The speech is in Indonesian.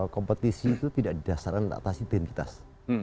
kompetisi itu tidak didasarkan atas identitas